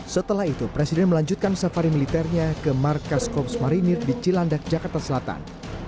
setelah itu presiden melanjutkan safari militernya ke markas korps marinir di cilandak jakarta selatan